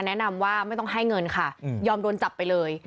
แนะนำว่าไม่ต้องให้เงินค่ะยอมโดนจับไปเลย